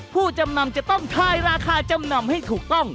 ผู้จำนำจะต้องทายราคาจำนำให้ถูกต้อง